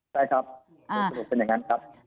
ใช่ครับบทสรุปเป็นอย่างนั้นครับ